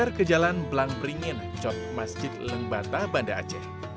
berkeser ke jalan blangpringin cot masjid lengbata banda aceh